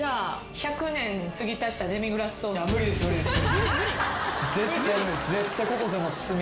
１００年継ぎ足したデミグラスソースよりも。